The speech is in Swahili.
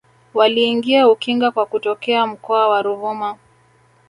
Waliingia Ukinga kwa kutokea mkoa wa Ruvuma